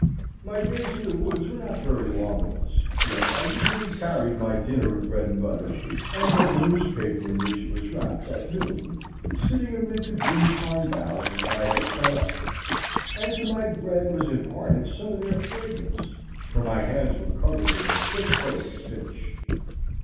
My days in the woods were not very long ones; yet I usually carried my dinner of bread and butter, and read the newspaper in which it was wrapped, at noon, sitting amid the green pine boughs which I had cut off, and to my bread was imparted some of their fragrance, for my hands were covered with a thick coat of pitch.